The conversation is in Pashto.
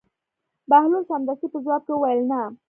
بهلول سمدستي په ځواب کې وویل: نه.